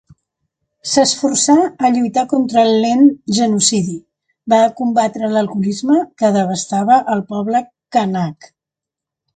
S'esforçà a lluitar contra el lent genocidi, va combatre l'alcoholisme que devastava el poble canac.